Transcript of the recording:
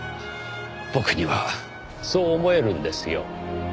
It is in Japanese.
僕にはそう思えるんですよ。